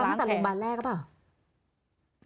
ตั้งแต่โรงพยาบาลแรกหรือเปล่า